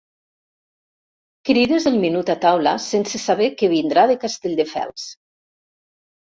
Crides el menut a taula sense saber que vindrà de Castelldefels.